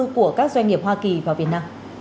của các doanh nghiệp hoa kỳ vào việt nam